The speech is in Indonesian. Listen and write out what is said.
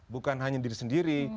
bukan hanya diri sendiri